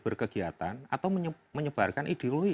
berkegiatan atau menyebarkan ideologi